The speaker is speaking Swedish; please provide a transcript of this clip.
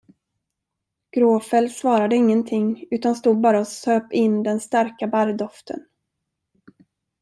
Gråfäll svarade ingenting, utan stod bara och söp in den starka barrdoften.